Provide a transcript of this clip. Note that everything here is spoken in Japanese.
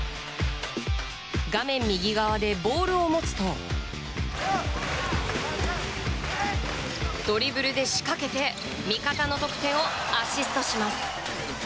画面右側でボールを持つとドリブルで仕掛けて味方の得点をアシストします。